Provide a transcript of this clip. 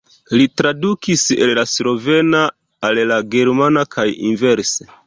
Li tradukis el la slovena al la germana kaj inverse.